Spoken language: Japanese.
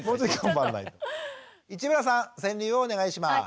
市村さん川柳をお願いします。